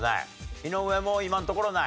井上も今のところない？